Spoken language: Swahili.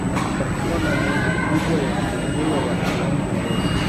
Utakuwa na nguvu kubwa ya kuongoza watu wangu wote